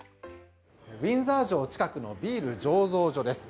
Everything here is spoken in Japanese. ウィンザー城近くのビール醸造所です。